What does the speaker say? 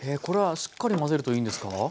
これはしっかり混ぜるといいんですか？